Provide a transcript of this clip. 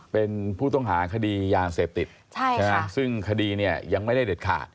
เป็นผู้ต้องหาคดียาเสพติดซึ่งคดีเนี่ยยังไม่ได้เด็ดขาด